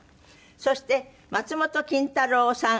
そして松本金太郎さん